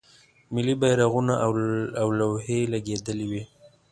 ملی بیرغونه او لوحې لګیدلې وې.